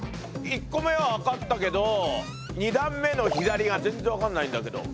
１個目は分かったけど２段目の左が全然分かんないんだけど。